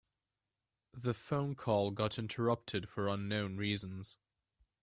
The phone call got interrupted for unknown reasons.